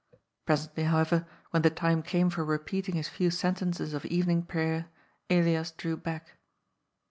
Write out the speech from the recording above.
Presently, however, when the time came for repeating his few sentences of evening prayer, Elias drew back.